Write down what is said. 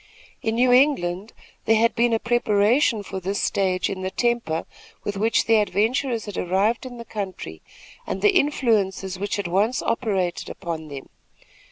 In New England, there had been a preparation for this stage in the temper with which the adventurers had arrived in the country, and the influences which at once operated upon them.